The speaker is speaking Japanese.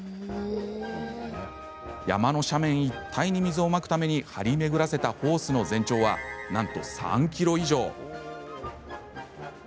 山の斜面一帯に水をまくために張り巡らせたホースの全長はなんと３ｋｍ以上。